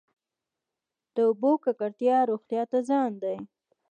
د اوبو ککړتیا روغتیا ته زیان دی.